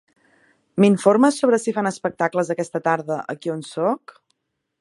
M'informes sobre si fan espectacles aquesta tarda aquí on soc?